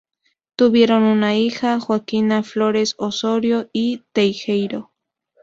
Tuvieron una hija, Joaquina Flórez-Osorio y Teijeiro.